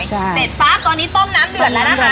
เสร็จปั๊บตอนนี้ต้มน้ำเดือดแล้วนะคะ